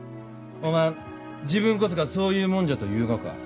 おまん自分こそがそういう者じゃと言うがか？